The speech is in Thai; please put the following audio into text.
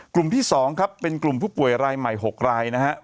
กลุ่มที่๒ครับเป็นกลุ่มผู้ป่วยรายใหม่๖รายนะครับ